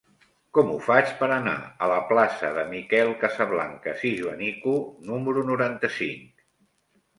Com ho faig per anar a la plaça de Miquel Casablancas i Joanico número noranta-cinc?